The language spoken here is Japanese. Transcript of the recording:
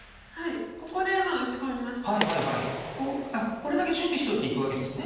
これだけ準備しといていくわけですね。